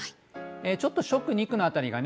ちょっと初句二句の辺りがね